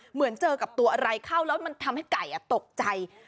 เหมือนเจอกับตัวอะไรเข้าแล้วมันทำให้ไก่ตกใจ